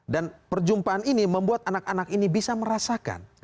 dan perjumpaan ini membuat anak anak ini bisa merasakan